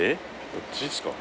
こっちですか？